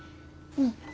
うん。